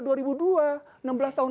enam belas tahun lalu